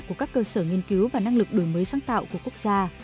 của các cơ sở nghiên cứu và năng lực đổi mới sáng tạo của quốc gia